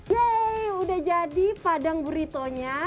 yeay udah jadi padang buritonya